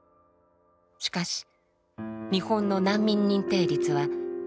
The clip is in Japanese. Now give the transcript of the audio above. しかし日本の難民認定率は１％未満。